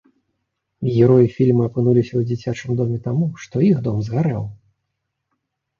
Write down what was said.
Героі фільма апынуліся ў дзіцячым доме таму, што іх дом згарэў.